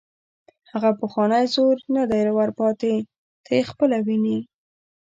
هغه پخوانی زور نه دی ور پاتې، ته یې خپله ویني.